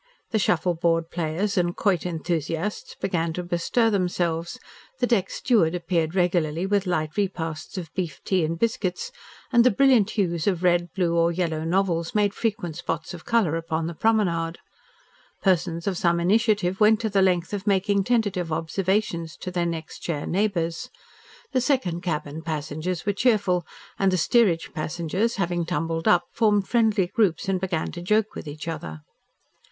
Shuffleboard players and quoit enthusiasts began to bestir themselves, the deck steward appeared regularly with light repasts of beef tea and biscuits, and the brilliant hues of red, blue, or yellow novels made frequent spots of colour upon the promenade. Persons of some initiative went to the length of making tentative observations to their next chair neighbours. The second cabin passengers were cheerful, and the steerage passengers, having tumbled up, formed friendly groups and began to joke with each other.